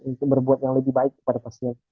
untuk berbuat yang lebih baik kepada pasien